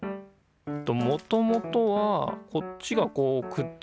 もともとはこっちがこうくっついて。